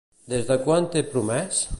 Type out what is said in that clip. Des de quan té promès?